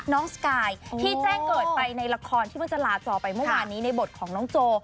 สกายที่แจ้งเกิดไปในละครที่เพิ่งจะลาจอไปเมื่อวานนี้ในบทของน้องโจ